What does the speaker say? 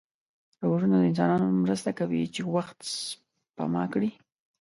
روبوټونه د انسانانو مرسته کوي چې وخت سپم کړي.